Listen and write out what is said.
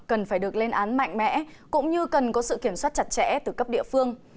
cần phải được lên án mạnh mẽ cũng như cần có sự kiểm soát chặt chẽ từ cấp địa phương